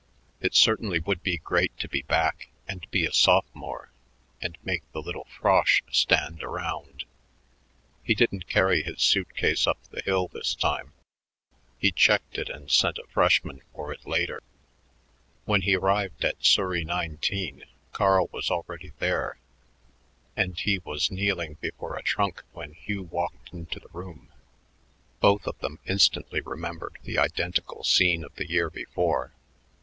It certainly would be great to be back and be a sophomore and make the little frosh stand around. He didn't carry his suit case up the hill this time; he checked it and sent a freshman for it later. When he arrived at Surrey 19 Carl was already there and he was kneeling before a trunk when Hugh walked into the room. Both of them instantly remembered the identical scene of the year before.